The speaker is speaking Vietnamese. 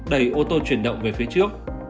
đẩy ô tô chuyển động về phía trước